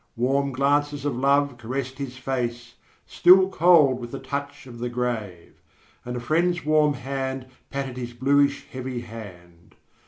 Warm glances of love caressed his face, still cold with the touch of the grave; and a friend's warm hand patted his bluish, heavy hand.